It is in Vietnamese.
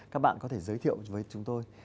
các bạn có thể giới thiệu với chúng tôi